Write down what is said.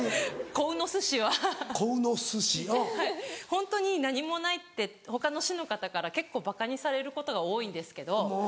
ホントに何もないって他の市の方から結構ばかにされることが多いんですけど。